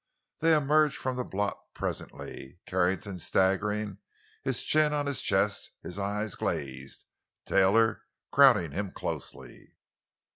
They emerged from the blot presently, Carrington staggering, his chin on his chest, his eyes glazed—Taylor crowding him closely.